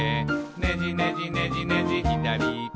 「ねじねじねじねじひだりいけ」